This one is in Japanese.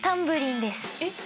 えっ！